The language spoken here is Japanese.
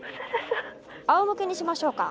あおむけにしましょうか。